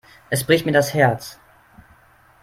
Es bricht mir das Herz.